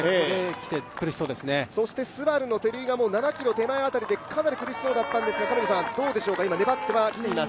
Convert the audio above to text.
ＳＵＢＡＲＵの照井が７ｋｍ手前辺りでかなり苦しそうだったんですが今、粘ってはきています。